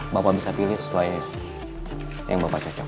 bapak bisa pilih sesuai yang bapak cocok